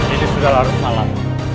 ini sudah larut malam